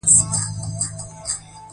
غریب له خدای نه بل څوک نه لري